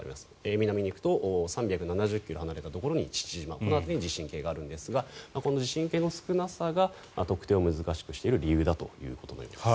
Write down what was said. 南には３７０ｋｍのところ父島に地震計があるんですがこの地震計の少なさが特定を難しくしている理由だということです。